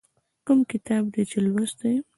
کوم کتاب دې یې لوستی؟